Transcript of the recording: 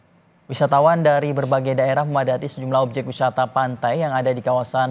hai wisatawan dari berbagai daerah memadati sejumlah objek wisata pantai yang ada di kawasan